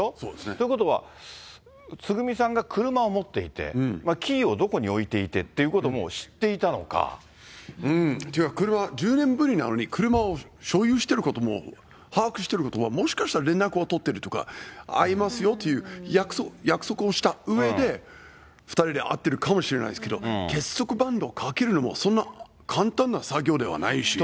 ということは、つぐみさんが車を持っていて、キーをどこに置いていてっていうことも知っていたのか。というか、１０年ぶりなのに、車を所有してることも把握してるってことも、もしかしたら連絡を取ってるとか、会いますよという約束をしたうえで、２人で会ってるかもしれないですけど、結束バンドかけるのも、そんな簡単な作業ではないし。